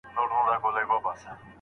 تاجران باید یوازې مناسبه ګټه واخلي.